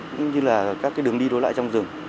cũng như là các đường đi lối lại trong rừng